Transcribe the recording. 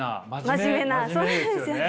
真面目なそうなんですよね。